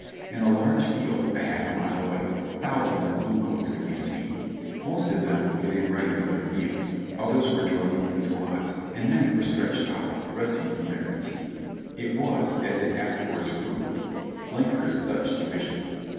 In a large field, a half mile away, thousands of blue coats could be seen; most of them w^ere getting ready for their meals, others were drilling in squads, and many were stretched out, resting from their fatigue. It was, as it afterwards proved, Blenker's Dutch Division.